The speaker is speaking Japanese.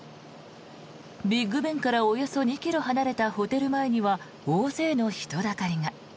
ビッグ・ベンからおよそ２ｋｍ離れたホテル前には大勢の人だかりが。